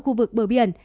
ở khu vực bờ biển